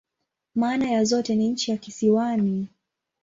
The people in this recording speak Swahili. Maana ya zote ni "nchi ya kisiwani.